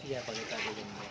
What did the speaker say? iya pagi tadi